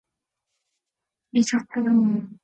イソップ童話